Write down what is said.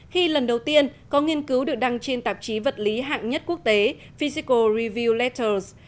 khi lần đầu tiên có nghiên cứu được đăng trên tạp chí vật lý hạng nhất quốc tế fisico review letters